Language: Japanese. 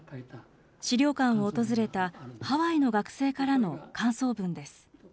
資料館を訪れたハワイの学生からの感想文です。